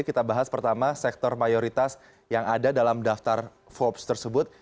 kita bahas pertama sektor mayoritas yang ada dalam daftar forbes tersebut